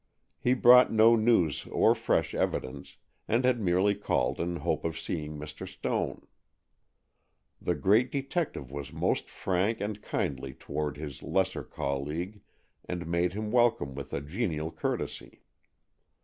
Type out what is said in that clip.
He brought no news or fresh evidence, and had merely called in hope of seeing Mr. Stone. The great detective was most frank and kindly toward his lesser colleague, and made him welcome with a genial courtesy.